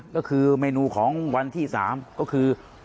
ก็คือเมนูของวันที่๓ก็คือ